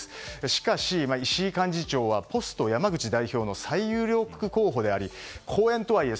しかし、石井幹事長はポスト山口代表の最有力候補であり、講演とはいえ